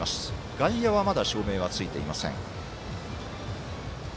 外野はまだ照明はついていません。